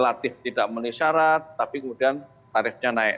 latif tidak menisarat tapi kemudian tarifnya naik